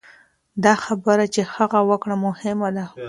دا خبره چې هغه وکړه مهمه ده.